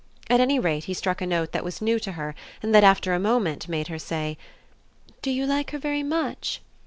At any rate he struck a note that was new to her and that after a moment made her say: "Do you like her very much?"